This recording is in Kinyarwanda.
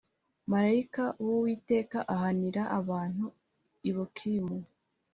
Marayika w Uwiteka ahanira abantu i Bokimu